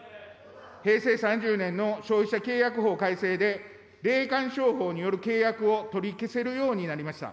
平成３０年の消費者契約法改正で、霊感商法による契約を取り消せるようになりました。